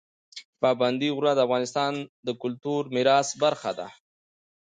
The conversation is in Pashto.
پابندی غرونه د افغانستان د کلتوري میراث برخه ده.